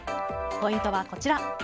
ポイントはこちら。